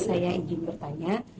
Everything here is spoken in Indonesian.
saya ingin bertanya